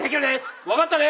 分かったね？